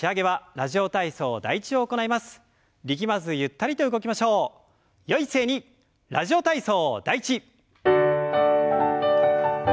「ラジオ体操第１」。